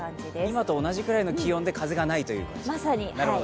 今と同じくらいの気温で風がないという感じですか？